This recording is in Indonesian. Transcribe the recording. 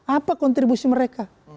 apa kontribusi mereka